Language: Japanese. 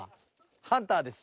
ハンターです。